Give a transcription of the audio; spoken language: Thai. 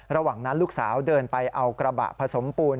ระหว่างนั้นลูกสาวเดินไปเอากระบะผสมปูน